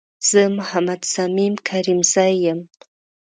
زه محمد صميم کريمزی یم